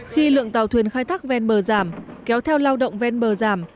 khi lượng tàu thuyền khai thác ven bờ giảm kéo theo lao động ven bờ giảm